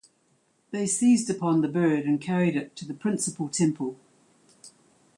They seized upon the bird and carried it to the principal temple.